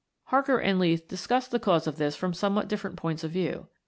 Harker (54) and Leith (55) discuss the cause of this from somewhat different points of view.